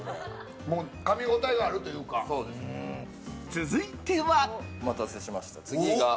続いては。お待たせしました。